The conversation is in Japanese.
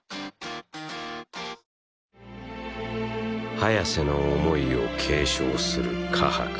ハヤセの想いを継承するカハク。